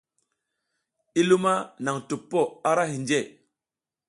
I luma naƞ tuppo ara hinje.